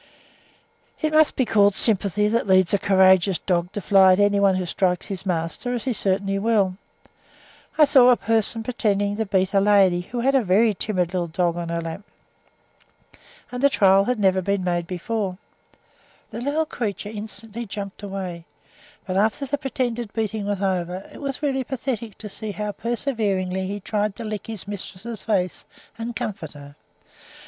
It must be called sympathy that leads a courageous dog to fly at any one who strikes his master, as he certainly will. I saw a person pretending to beat a lady, who had a very timid little dog on her lap, and the trial had never been made before; the little creature instantly jumped away, but after the pretended beating was over, it was really pathetic to see how perseveringly he tried to lick his mistress's face, and comfort her.